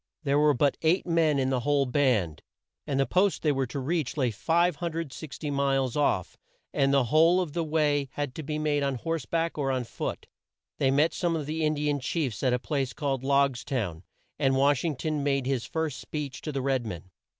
There were but eight men in the whole band, and the post they were to reach lay 560 miles off, and the whole of the way had to be made on horse back or on foot. They met some of the In di an chiefs at a place called Logs town and Wash ing ton made his first speech to the red men.